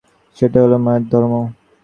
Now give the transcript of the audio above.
সেটা হল মায়ের ধর্ম।